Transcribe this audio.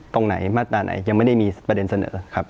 ตรงไหนมาตราไหนยังไม่ได้มีประเด็นเสนอครับ